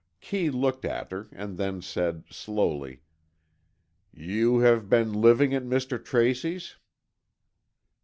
Kee looked at her, and then said, slowly, "You have been living at Mr. Tracy's?"